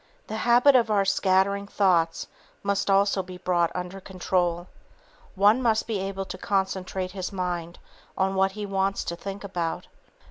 The habit of our scattering thoughts must also be brought under control. One must be able to concentrate his mind on what he wants to think about.